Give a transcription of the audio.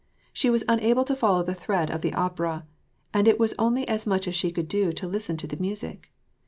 She was unable to follow the thread of the opera, and it was as much as she could do to listen to the music.